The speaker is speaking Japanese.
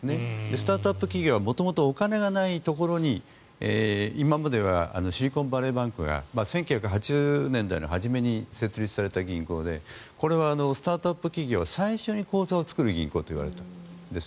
スタートアップ企業は元々お金がないところに今まではシリコンバレーバンクが１９８０年代の初めに設立された銀行でこれはスタートアップ企業が最初に口座を作る銀行といわれたんです。